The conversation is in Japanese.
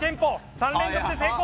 ３連続で成功！